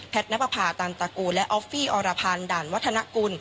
แพทย์นักประผ่าตันตะกูลและออฟฟี่อรพานดันวัฒนกุล